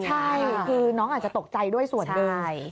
ใช่คือน้องอาจจะตกใจด้วยส่วนหนึ่ง